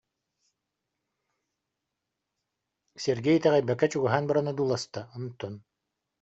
Сергей итэҕэйбэккэ чугаһаан баран одууласта, онтон: